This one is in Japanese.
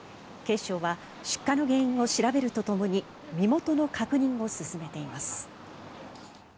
警視庁は出火の原因を調べるとともに身元の確認を進めています。